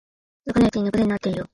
気づかないうちに猫背になってるよ